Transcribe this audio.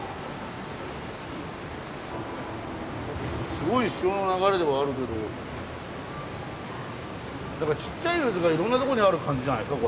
すごい潮の流れではあるけどちっちゃい渦がいろんな所にある感じじゃないですか？